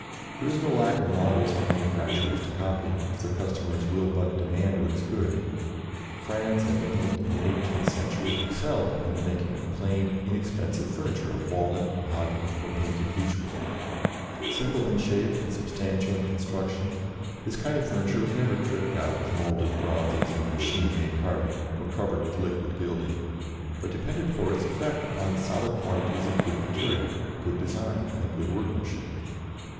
There is no lack of models for manufacturers to copy, if their customers will but demand what is good. France and England, in the eighteenth century, excelled in the making of plain, inexpensive furniture of walnut, mahogany, or painted beechwood (see Plates VII X). Simple in shape and substantial in construction, this kind of furniture was never tricked out with moulded bronzes and machine made carving, or covered with liquid gilding, but depended for its effect upon the solid qualities of good material, good design and good workmanship.